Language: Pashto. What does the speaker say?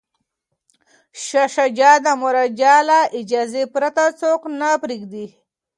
شاه شجاع د مهاراجا له اجازې پرته څوک نه پریږدي.